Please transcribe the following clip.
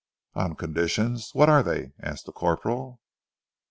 "On conditions! What are they?" asked the corporal.